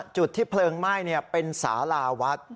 จุดที่เพลิงไหม้เป็นสาราวัด